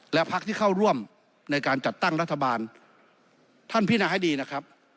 และพักที่เข้าร่วมในการจัดตั้งรัฐบาลท่านพินาให้ดีนะครับ